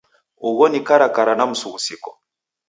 Ugho ni karakara na msughusiko.